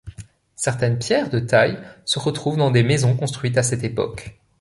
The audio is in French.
Certaines pierres de taille se retrouvent dans des maisons construites à cette époque.